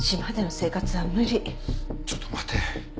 ちょっと待て。